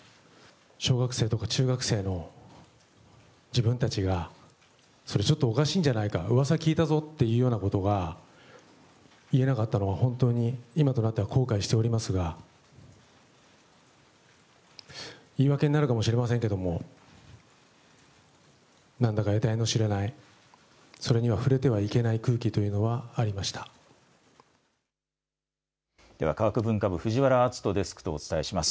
小学生とか中学生の自分たちが、それちょっとおかしいんじゃないか、うわさ聞いたぞっていうようなことが言えなかったのは、本当に、今となっては後悔しておりますが、言い訳になるかもしれませんけれども、なんだかえたいの知れない、それには触れてはいけない空気というでは科学文化部、藤原淳登デスクとお伝えします。